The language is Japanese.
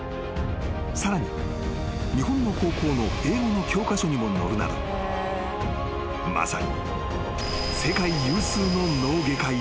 ［さらに日本の高校の英語の教科書にも載るなどまさに］